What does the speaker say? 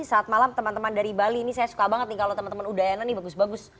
saat malam teman teman dari bali ini saya suka banget nih kalau teman teman udayana nih bagus bagus